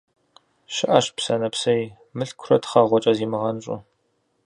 Щыӏэщ псэ нэпсей, мылъкурэ тхъэгъуэкӏэ зимыгъэнщӏу.